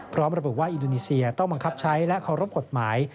พร้อมระบุว่าอินโดนีเซียต้องบังคับใช้และเคารพกฎหมาย